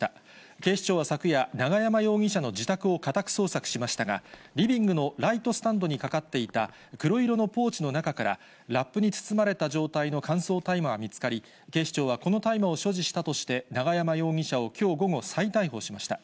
警視庁は昨夜、永山容疑者の自宅を家宅捜索しましたが、リビングのライトスタンドにかかっていた黒色のポーチの中からラップに包まれた状態の乾燥大麻が見つかり、警視庁はこの大麻を所持したとして、永山容疑者をきょう午後、再逮捕しました。